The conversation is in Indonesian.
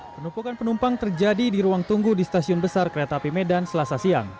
penumpukan penumpang terjadi di ruang tunggu di stasiun besar kereta api medan selasa siang